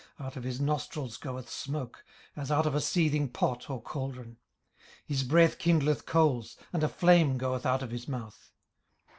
18:041:020 Out of his nostrils goeth smoke, as out of a seething pot or caldron. 18:041:021 His breath kindleth coals, and a flame goeth out of his mouth.